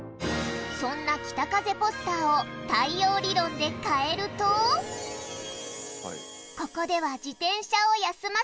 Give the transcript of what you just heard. そんな北風ポスターを太陽理論で変えるといやん。